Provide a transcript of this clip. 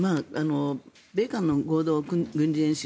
米韓の合同軍事演習